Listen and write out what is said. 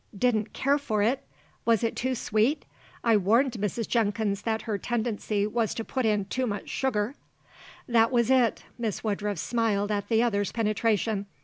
"Didn't care for it? Was it too sweet? I warned Mrs. Jenkins that her tendency was to put in too much sugar." "That was it," Miss Woodruff smiled at the other's penetration.